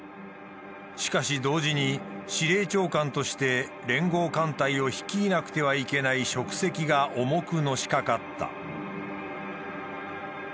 しかし同時に司令長官として連合艦隊を率いなくてはいけない職責が重くのしかかった。